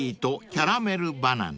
キャラメルバナナ。